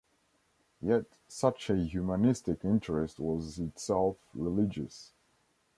Yet Such a humanistic interest was itself religious.